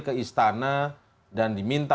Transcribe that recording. ke istana dan diminta